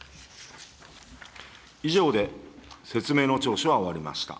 以上で説明の聴取は終わりました。